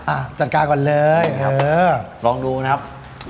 อ่ะจัดการก่อนเลยครับเออลองดูนะครับ